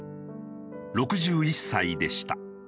６１歳でした。